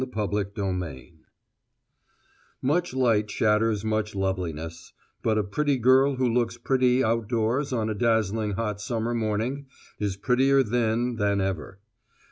CHAPTER SIX Much light shatters much loveliness; but a pretty girl who looks pretty outdoors on a dazzling hot summer morning is prettier then than ever.